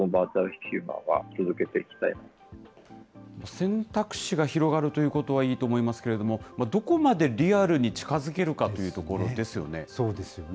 選択肢が広がるということはいいと思いますけれども、どこまでリアルに近づけるかというところですよね。